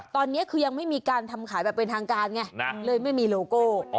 ตอนนี้คือยังไม่มีการทำขายแบบเป็นทางการไงเลยไม่มีโลโก้